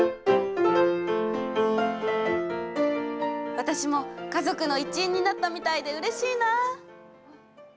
私も家族の一員になったみたいでうれしいな。